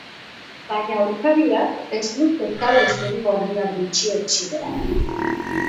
Baina aurkariak ez luke talde zuri-gorria gutxietsi behar.